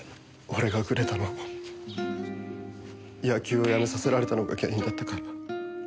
俺がグレたのも野球をやめさせられたのが原因だったから。